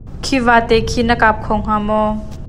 Khi vate khi na kap kho hnga maw?